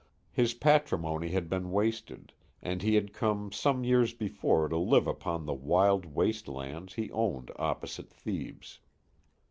His patrimony had been wasted, and he had come some years before to live upon the wild waste lands he owned opposite Thebes.